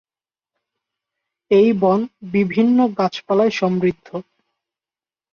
এই বন বিভিন্ন গাছপালায় সমৃদ্ধ।